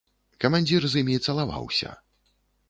Камандзір з імі цалаваўся.